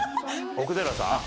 奥寺さん。